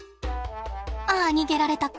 あ逃げられたか。